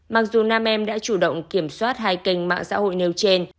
mặc dù nam em đã chủ động kiểm soát hai kênh mạng xã hội nêu trên